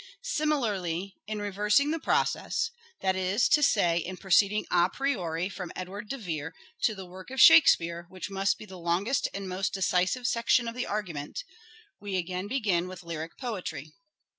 Similarly, in reversing the process, that is to say in proceeding a priori from Edward de Vere to the work of Shake speare, which must be the longest and most decisive section of the argument, we again begin with lyric poetry.